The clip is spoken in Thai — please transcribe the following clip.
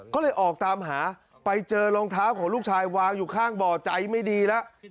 ก็เลยออกตามหาไปเจอรองเท้าของลูกชายวางอยู่ข้างบ่อใจไม่ดีแล้ว